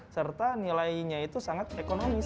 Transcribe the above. serta nilainya itu sangat ekonomis